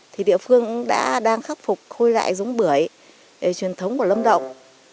thì địa phương đã khắc phục khôi lại giống bưởi truyền thống của lâm động